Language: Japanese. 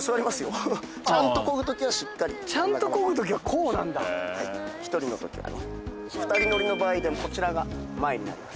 座りますよちゃんと漕ぐときはしっかりちゃんと漕ぐときはこうなんだはい１人のときはね２人乗りの場合こちらが前になります